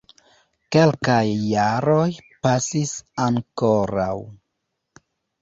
Kelkaj jaroj pasis ankoraŭ.